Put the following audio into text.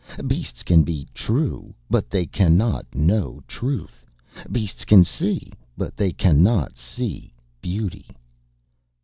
Beasts can be true but they cannot know Truth. Beasts can see, but they cannot see Beauty."